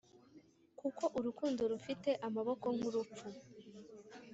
kuko urukundo rufite amaboko nk’urupfu;